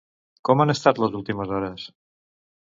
Com han estat les últimes hores?